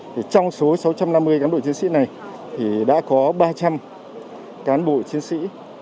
thì trong số sáu trăm năm mươi cán bộ chiến sĩ này thì đã có ba trăm linh cán bộ chiến sĩ